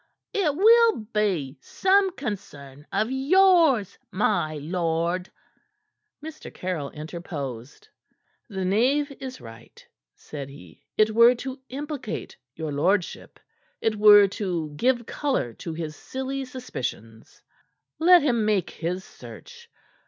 '' "It will be some concern of yours, my lord." Mr. Caryll interposed. "The knave is right," said he. "It were to implicate your lordship. It were to give color to his silly suspicions. Let him make his search.